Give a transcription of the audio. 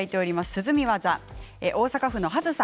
涼み技、大阪府の方。